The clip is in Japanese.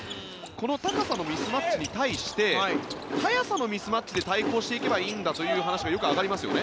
この高さのミスマッチに対して速さのミスマッチで対抗していけばいいんだという話がよく挙がりますよね。